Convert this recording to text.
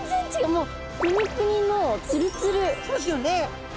もうそうですよね。